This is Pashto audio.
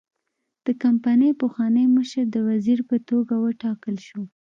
د کمپنۍ پخوانی مشر د وزیر په توګه وټاکل شو.